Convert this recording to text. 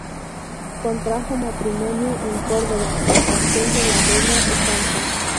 Contrajo matrimonio en Córdoba con Raquel de la Vega Ocampo.